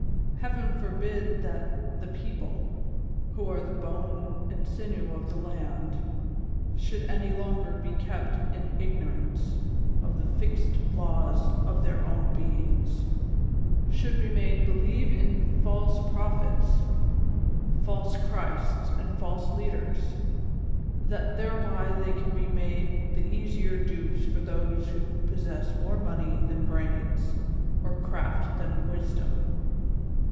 Heaven forbid that tlie people — who are the bone and sinew of the land— should any longer be.kept in ignorance of the fixed laws of their own beings ; should be made be lieve in false prophets, false Christs, and false leaders ; that thereby they can be made the easier dupes for those who possess more money than brains, or craft than wisdom.